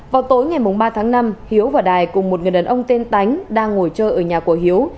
vào tối ngày ba tháng năm hiếu và đài cùng một người đàn ông tên tánh đang ngồi chơi ở nhà của hiếu